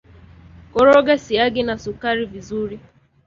Koroga siagi na sukari vizuri